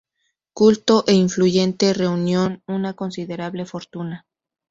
Culto e influyente, reunió una considerable fortuna.